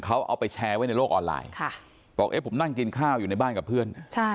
เขาเอาไปแชร์ไว้ในโลกออนไลน์บอกเอ๊ะผมนั่งกินข้าวอยู่ในบ้านกับเพื่อน